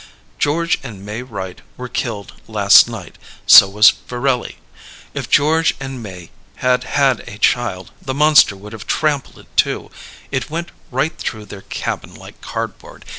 "George and May Wright were killed last night. So was Farelli. If George and May had had a child, the monster would have trampled it too it went right through their cabin like cardboard.